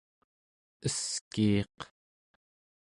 eskiiq